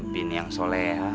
bini yang soleha